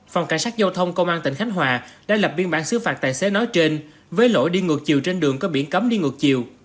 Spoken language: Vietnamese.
phòng cảnh sát giao thông công an tỉnh khánh hòa đã lập biên bản xứ phạt tài xế nói trên với lỗi đi ngược chiều trên đường có biển cấm đi ngược chiều